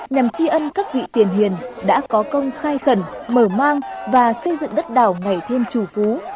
nhằm tri ân các vị tiền hiền đã có công khai khẩn mở mang và xây dựng đất đảo ngày thêm chủ phú